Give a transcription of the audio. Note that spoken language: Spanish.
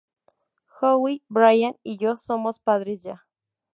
Howie, Brian y yo somos padres ya.